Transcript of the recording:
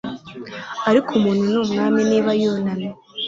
Ariko umuntu ni umwami niba yunamye